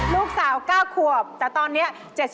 ลูกสาว๙ขวบแต่ตอนนี้